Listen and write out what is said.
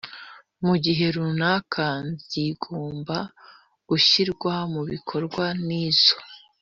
Mu gihe runaka zigomba gushyirwa mu bikorwa n izo